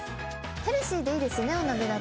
ヘルシーでいいですねお鍋だと。